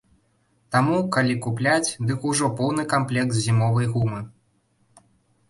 Таму, калі купляць, дык ужо поўны камплект зімовай гумы.